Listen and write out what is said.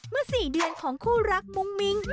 เมื่อสี่เดือนของคู่รักมุ่งมิง